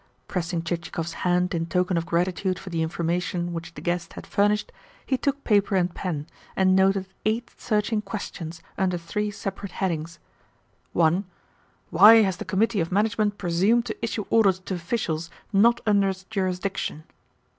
Pressing Chichikov's hand in token of gratitude for the information which the guest had furnished, he took paper and pen, and noted eight searching questions under three separate headings: (1) "Why has the Committee of Management presumed to issue orders to officials not under its jurisdiction?"